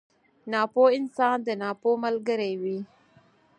ناپوه انسان د ناپوه ملګری وي.